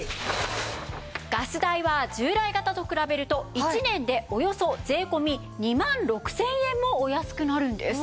ガス代は従来型と比べると１年でおよそ税込２万６０００円もお安くなるんです。